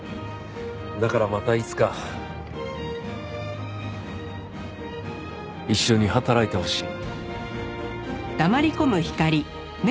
だからまたいつか一緒に働いてほしい。